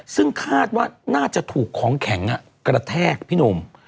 ซึ่งคาดว่าน่าจะถูกของแข็งกระแทกพี่หนุ่ม